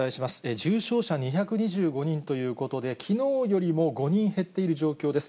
重症者２２５人ということで、きのうよりも５人減っている状況です。